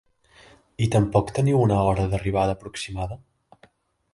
I tampoc teniu una hora d'arribada aproximada?